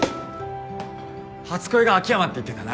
初恋が秋山って言ってたな。